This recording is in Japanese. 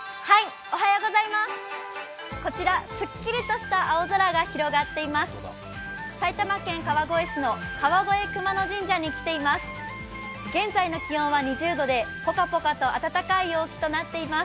こちら、すっきりとした青空が広がっています。